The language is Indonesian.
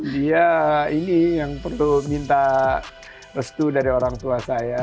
dia ini yang perlu minta restu dari orang tua saya